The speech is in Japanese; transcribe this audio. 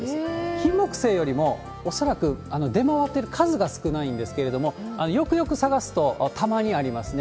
キンモクセイよりも、恐らく出回ってる数が少ないんですけれども、よくよく探すとたまにありますね。